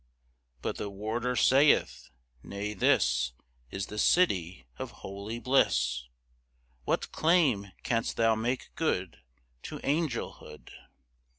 But the Warder saith: "Nay, this Is the City of Holy Bliss. What claim canst thou make good To angelhood?"